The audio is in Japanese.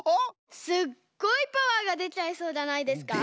すっごいパワーがでちゃいそうじゃないですか？